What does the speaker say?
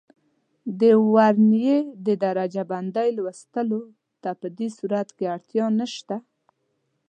د ورنیې د درجه بندۍ لوستلو ته په دې صورت کې اړتیا نه شته.